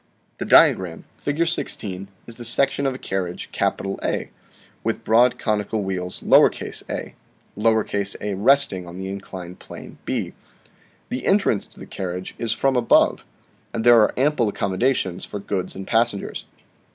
The diagram, Fig. 16, is the section of a carriage A, with broad conical wheels a, a, resting on the inclined plane b. The entrance to the carriage is from above, and there are ample accommodations for goods and passengers.